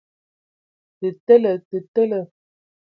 Tə tele! Te tele.